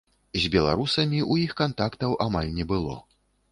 З беларусамі ў іх кантактаў амаль не было.